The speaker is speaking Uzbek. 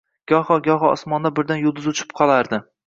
Goho-goho osmonda birdan yulduz uchib qolardi.